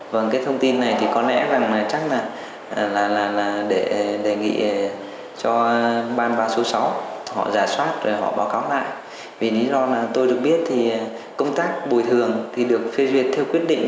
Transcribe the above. vì lý do mà tôi được biết thì công tác bồi thường thì được phê duyệt theo quyết định